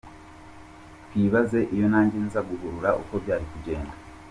Twibaze iyo nanjye nza guhurura uko byari kugenda!